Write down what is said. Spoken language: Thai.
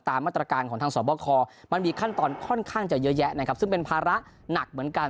มาตรการของทางสอบคอมันมีขั้นตอนค่อนข้างจะเยอะแยะนะครับซึ่งเป็นภาระหนักเหมือนกัน